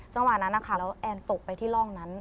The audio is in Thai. จังหวะนั้นนะคะแล้วแอนตกไปที่ร่องนั้น